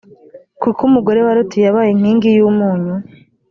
kuki umugore wa loti yabaye inkingi y umunyu